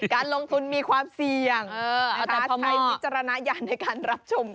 การลงทุนมีความเสี่ยงใช้วิจารณญาณในการรับชม